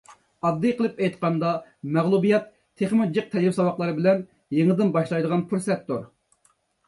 ئاددىي قىلىپ ئېيتقاندا مەغلۇبىيەت تېخىمۇ جىق تەجرىبە-ساۋاقلار بىلەن يېڭىدىن باشلايدىغان پۇرسەتتۇر.